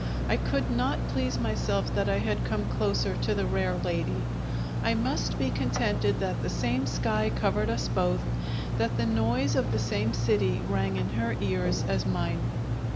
I could not please myself that I had come closer to the rare lady; I must be contented that the same sky covered us both, that the noise of the same city rang in her ears as mine.